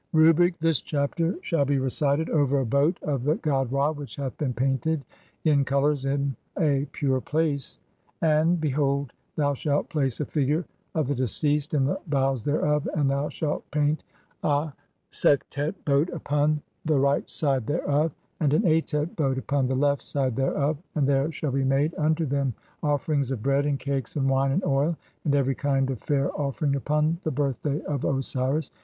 Rubric : [this chapter shall bfj recited over a boat of the GOD RA WHICH HATH BEEN PAINTED (39) IN COLOURS IN A PURE PLACE. AND BEHOLD THOU SHALT PLACE A FIGURE OF THE DECEASED IN THE BOWS THEREOF, AND THOU SHALT PAINT A 5EKTET BOAT UPON THE RIGHT 14* 212 THE CHAPTERS OF COMING FORTH BY DAY. SIDE THEREOF, AND AN ATET BOAT UPON THE LEFT SIDE THEREOF, AND THERE SHALL BE MADE (40) UNTO THEM OFFERINGS OF BREAD, AND CAKES, AND WINE, AND OIL, AND EVERY KIND OF FAIR OFFERING UPON THE BIRTHDAY OF OSIRIS.